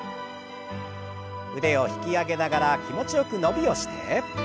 腕を引き上げながら気持ちよく伸びをして。